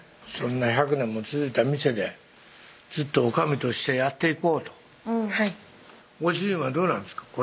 そんな１００年も続いた店でずっと女将としてやっていこうとはいご主人はどうなんですか？